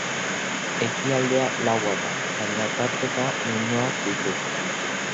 Ekialdea laua da, baina tarteka muinoak ditu.